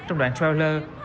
trong đoạn trailer